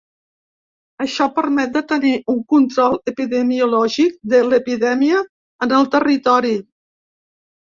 Això permet de tenir un control epidemiològic de l’epidèmia en el territori.